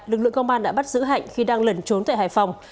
lực lượng công an đã bắt giữ hạnh khi đang lẩn trốn tại hải phòng